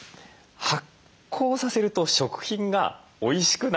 発酵させると食品がおいしくなる。